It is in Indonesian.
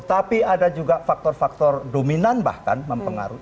tapi ada juga faktor faktor dominan bahkan mempengaruhi